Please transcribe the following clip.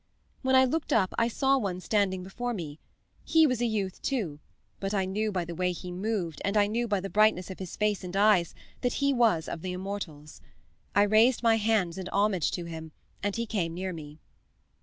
"When I looked up I saw one standing before me. He was a youth, too, but I knew by the way he moved, and I knew by the brightness of his face and eyes, that he was of the immortals. I raised my hands in homage to him, and he came near me.